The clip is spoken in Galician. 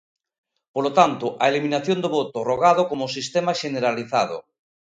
Polo tanto, a eliminación do voto rogado como sistema xeneralizado.